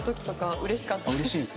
うれしいんですね。